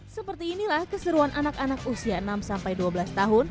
seperti inilah keseruan anak anak usia enam sampai dua belas tahun